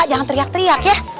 jangan teriak teriak ya